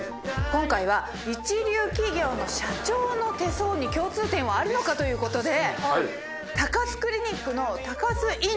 今回は一流企業の社長の手相に共通点はあるのかということで。